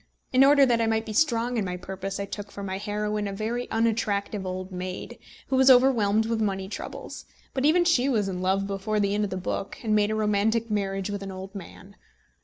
In order that I might be strong in my purpose, I took for my heroine a very unattractive old maid, who was overwhelmed with money troubles; but even she was in love before the end of the book, and made a romantic marriage with an old man.